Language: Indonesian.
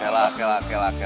oke lah oke lah